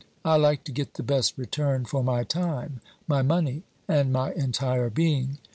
I like to get the best return for my time, my money and my entire being.